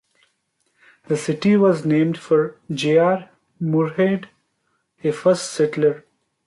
The city was named for J. R. Moorhead, a first settler.